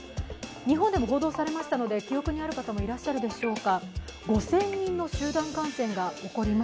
日本でも報道されましたので、記憶にある方もいらっしゃるでしょうか。